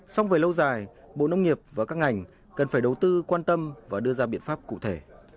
xong về lâu dài bộ nông nghiệp và các ngành cần phải đầu tư quan tâm và đưa ra biện pháp cụ thể